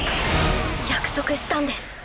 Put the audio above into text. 約束したんです。